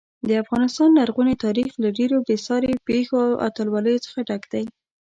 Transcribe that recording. د افغانستان لرغونی تاریخ له ډېرو بې ساري پیښو او اتلولیو څخه ډک دی.